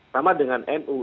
sama dengan nu